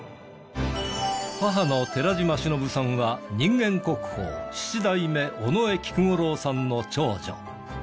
母の寺島しのぶさんは人間国宝七代目尾上菊五郎さんの長女。